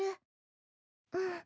うん。